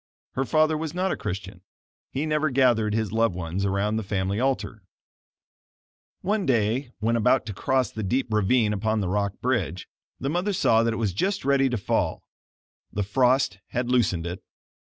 Her father was not a Christian. He never gathered his loved ones around the family altar. One day when about to cross the deep ravine upon the rock bridge, the mother saw that it was just ready to fall. The frost had loosened it.